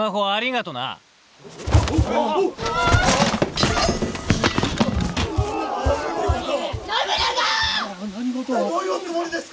一体どういうおつもりですか！